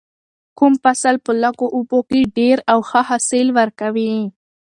کوم فصل په لږو اوبو کې ډیر او ښه حاصل ورکوي؟